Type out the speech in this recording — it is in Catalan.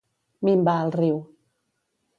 Minvar el riu.